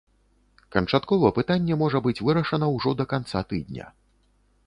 Канчаткова пытанне можа быць вырашана ўжо да канца тыдня.